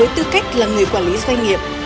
với tư cách là người quản lý doanh nghiệp